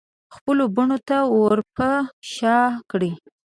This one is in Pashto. خپلو بڼو ته ورپه شا کړي